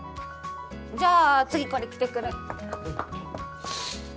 じゃあ次これ着てくる。